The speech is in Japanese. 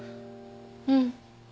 うん。